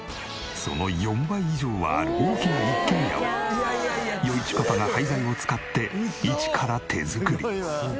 その４倍以上はある大きな一軒家を余一パパが廃材を使って一から手作り。